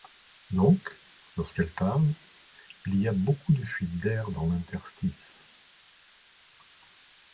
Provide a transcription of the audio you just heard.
Donc, lorsqu'elle parle, il y a beaucoup de fuites d'air dans l'interstice.